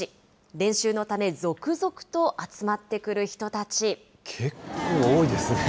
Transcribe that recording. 練習のため、続々と集まってくる人たち。